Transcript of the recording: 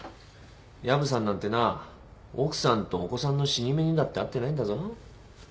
薮さんなんてな奥さんとお子さんの死に目にだって会ってないんだぞ。